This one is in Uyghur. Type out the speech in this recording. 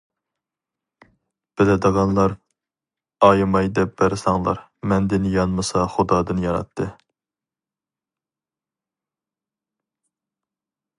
بىلىدىغانلار ئايىماي دەپ بەرسەڭلار مەندىن يانمىسا خۇدادىن ياناتتى.